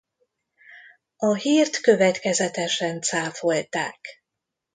A hírt következetesen cáfolták.